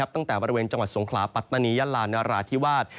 ตั้งแต่บริเวณจังหวัดสงขลาปัตตานียาลานราธิวาส